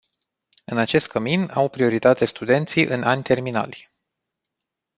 În acest cămin au prioritate studenții în ani terminali.